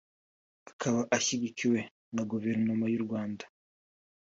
ikaba ishyigikiwe na Guverinoma y’u Rwanda